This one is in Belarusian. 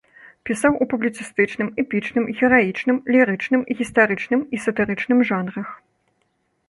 Пісаў у публіцыстычным, эпічным, гераічным, лірычным, гістарычным і сатырычным жанрах.